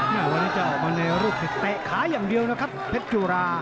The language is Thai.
น่าจะออกมาในรีบจอรุปปะเตะขาอย่างเดียวนะครับเพชรจูรา